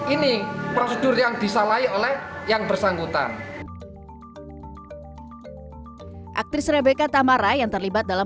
ini prosedur yang disalahi oleh yang bersangkutan aktris rebeka tamara yang terlibat dalam